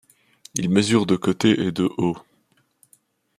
Il mesure de côté et de haut.